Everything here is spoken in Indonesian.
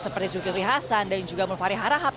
seperti zulkifri hasan dan juga mulfari harahab